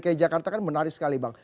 dki jakarta kan menarik sekali bang